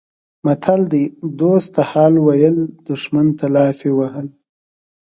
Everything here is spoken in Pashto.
متل دی: دوست ته حال ویل دښمن ته لافې وهل